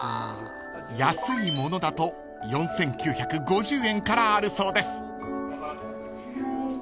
［安いものだと４，９５０円からあるそうです］